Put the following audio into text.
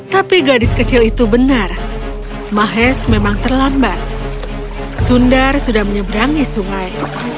tapi gadis kecil itu benar mahes memang terlambat sundar sudah menyeberangi sungai